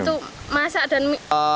untuk masak dan minum